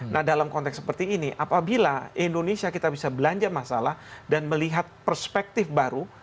nah dalam konteks seperti ini apabila indonesia kita bisa belanja masalah dan melihat perspektif baru